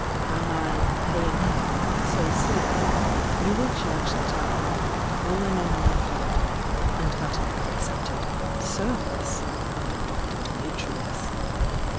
By my 'paying up" so soon, you wiU judge that I have 'fallen on my teet— and that I have accepted 'service' under Dr. Uimitrius.